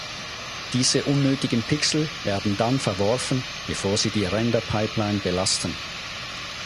Diese unnötigen Pixel werden dann verworfen bevor sie die Render-Pipeline belasten.